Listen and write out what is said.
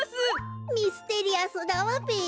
ミステリアスだわべ。